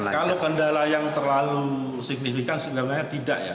kalau kendala yang terlalu signifikan sebenarnya tidak ya